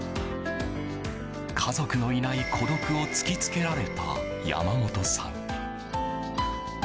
家族のいない孤独を突き付けられた山本さん。